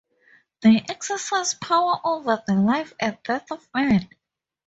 They exercise power over the life and death of man.